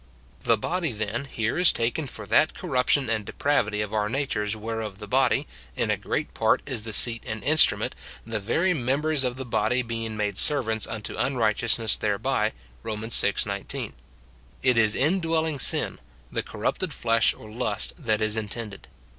The body, then, here is taken for that corruption and depravity of ouii natures whereof the body, in a great part is the seat and instrument, the very members of the body being made servants unto unrighteousness thereby, Rom. vi. 19. It is indwelling sin, the corrupted flesh or lust, that is intended.